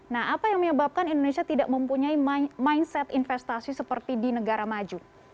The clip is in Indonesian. nah apa yang menyebabkan indonesia tidak mempunyai mindset investasi seperti di negara maju